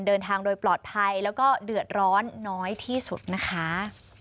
เดินทางโดยปลอดภัยแล้วก็เดือดร้อนน้อยที่สุดนะคะ